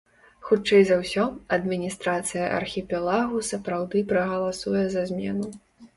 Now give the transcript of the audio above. Хутчэй за ўсё, адміністрацыя архіпелагу сапраўды прагаласуе за змену.